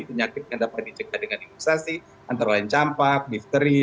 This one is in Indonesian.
penyakit yang dapat dicegah dengan imunisasi antara lain campak difteri